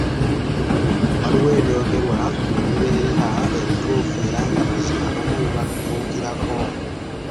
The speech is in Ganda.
Waliwo ebyogerwa webibeerera ebituufu era nga mazima abamu bibatuukirako.